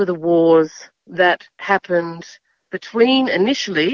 antara awal awal perang inggris